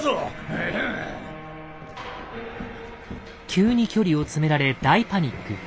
急に距離を詰められ大パニック。